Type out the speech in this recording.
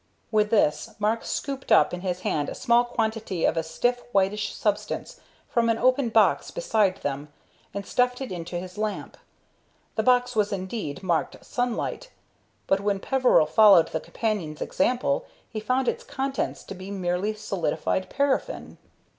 With this Mark scooped up in his hand a small quantity of a stiff, whitish substance from an open box beside them, and stuffed it into his lamp. The box was indeed marked "Sunlight," but when Peveril followed his companion's example he found its contents to be merely solidified paraffine.